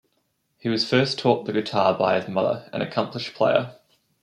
He was first taught the guitar by his mother, an accomplished player.